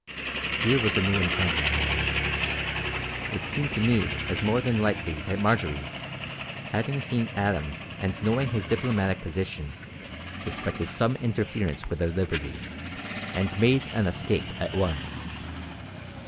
Here was a new entanglement. It seemed to me as more than likely that Marjory, having seen Adams and knowing his diplomatic position, suspected some interference with her liberty, and made an escape at once.